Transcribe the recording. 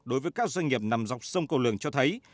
đối với các doanh nghiệp nằm dọc sông cầu lường cho thấy